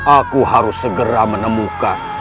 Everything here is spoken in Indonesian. aku harus segera menemukan